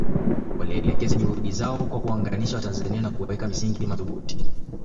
Walielekeza juhudi zao kwa kuwaunganisha Watanzania na kuweka misingi madhubuti